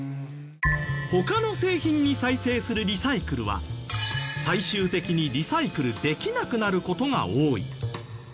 他の製品に再生するリサイクルは最終的にリサイクルできなくなる事が多い。